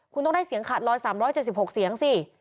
คุณต้องได้เสียงขาด๑๓๗๖เสียงสิ